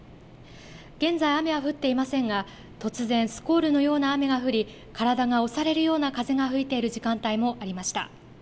現在、雨は降っていませんが突然スコールのような雨が降り体が押されるような風が吹いている時間帯もありました。